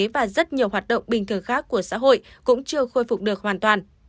và rất nhiều hoạt động bình thường khác của xã hội cũng chưa khôi phục được hoàn toàn